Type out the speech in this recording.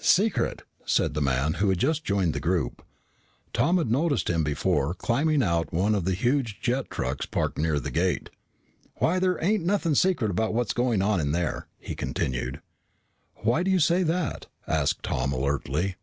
"Secret," said a man who had just joined the group. Tom had noticed him before, climbing out of one of the huge jet trucks parked near the gate. "Why, there ain't nothing secret about what's going on in there," he continued. "Why do you say that?" asked Tom alertly.